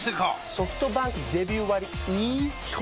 ソフトバンクデビュー割イズ基本